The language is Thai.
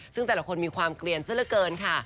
ซึ่งแต่ละคนมีความเกลียนซะละเกินค่ะ